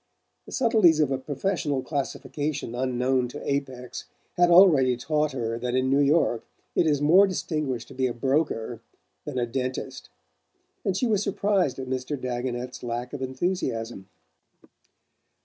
The subtleties of a professional classification unknown to Apex had already taught her that in New York it is more distinguished to be a broker than a dentist; and she was surprised at Mr. Dagonet's lack of enthusiasm.